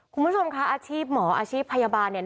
คุณผู้ชมคะอาชีพหมออาชีพพยาบาลเนี่ย